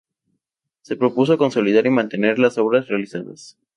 Se propuso consolidar y mantener las obras realizadas.